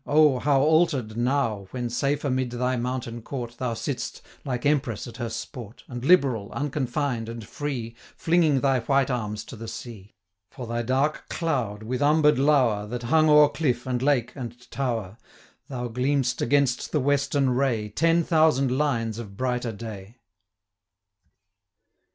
O, how altered now, When safe amid thy mountain court Thou sitt'st, like Empress at her sport, 55 And liberal, unconfined, and free, Flinging thy white arms to the sea, For thy dark cloud, with umber'd lower, That hung o'er cliff, and lake, and tower, Thou gleam'st against the western ray 60 Ten thousand lines of brighter day.